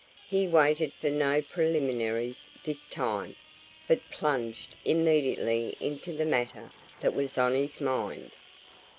He waited for no preliminaries this time, but plunged immediately into the matter that was on his mind.